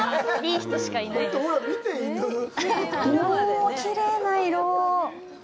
うぉ、きれいな色！